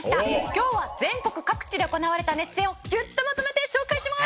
今日は全国各地で行われた熱戦をギュッとまとめて紹介します。